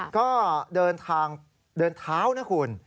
ก็เดินทางเดินเท้านะคุณ